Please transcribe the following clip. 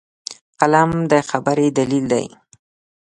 قلم د خبرې دلیل دی